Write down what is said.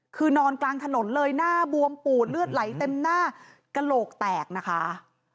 คือนอนกลางถนนเลยหน้าบวมปูดเลือดไหลเต็มหน้ากระโหลกแตกนะคะ